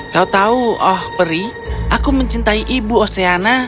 kau tahu oh peri aku mencintai ibu oceana